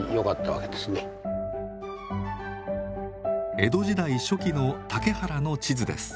江戸時代初期の竹原の地図です。